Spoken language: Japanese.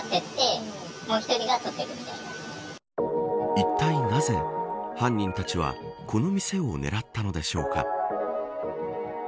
いったいなぜ犯人たちはこの店を狙ったのでしょうか。